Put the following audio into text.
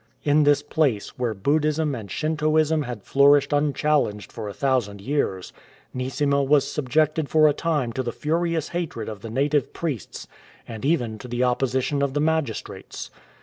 In this place, where Buddhism and Shintoism had flourished unchallenged for a thousand years, Neesima was subjected for a time to the furious hatred of the native priests and even to the opposition of the magistrates.